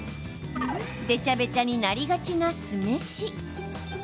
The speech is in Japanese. べちゃべちゃになりがちな酢飯。